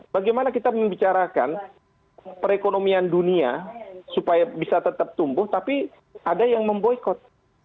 bagaimana kita membicarakan perekonomian dunia supaya bisa tetap tumbuh tapi ada yang memboykot